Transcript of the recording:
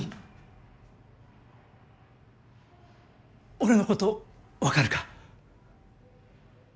俺のこと分かるか？